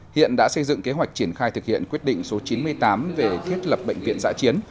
hiện đã xây dựng kế hoạch triển khai thực hiện quyết định số chín mươi tám về thiết lập bệnh viện dạ chiến